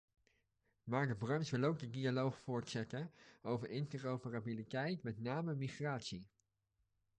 Maar de branche wil ook de dialoog voortzetten over interoperabiliteit, met name migratie.